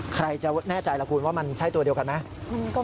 ใครจะแน่ใจล่ะคุณว่ามันใช่ตัวเดียวกันไหม